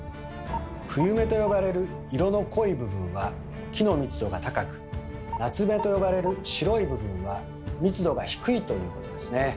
「冬目」と呼ばれる色の濃い部分は木の密度が高く「夏目」と呼ばれる白い部分は密度が低いということですね。